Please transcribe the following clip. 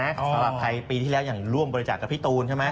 สำหรับใครปีที่แล้วอย่างร่วมบริจาคกับพี่ตูนใช่ไหม